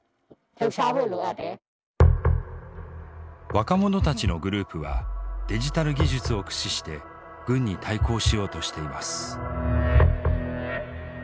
若者たちのグループはデジタル技術を駆使して軍に対抗しようとしています。